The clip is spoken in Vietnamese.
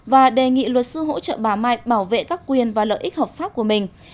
và đề nghị luật sư hỗ trợ bà mai bảo vệ các quyền và lợi ích hợp pháp của mình